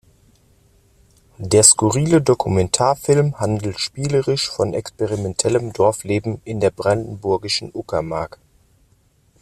Der skurrile Dokumentarfilm handelt spielerisch von experimentellem Dorfleben in der brandenburgischen Uckermark.